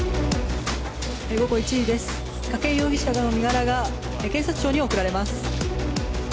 午後１時です筧容疑者の身柄が検察庁に送られます。